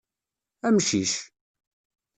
Amcic!